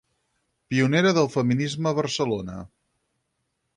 Pionera del feminisme a Barcelona.